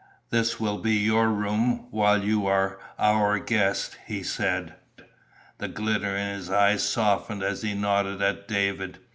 "This will be your room while you are our guest," he said. The glitter in his eyes softened as he nodded at David.